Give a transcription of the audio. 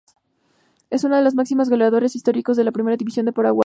Es una de los máximos goleadores históricos de la Primera División de Paraguay.